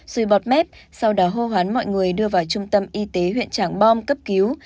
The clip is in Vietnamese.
xuôi bọt mép sau đó hô hoán mọi người đưa vào trung tâm y tế huyện tràng bom cấp cứu